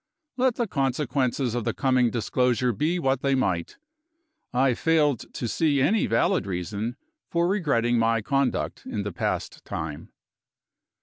let the consequences of the coming disclosure be what they might, I failed to see any valid reason for regretting my conduct in the past time.